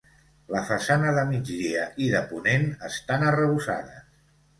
La façana de migdia i de ponent estan arrebossades.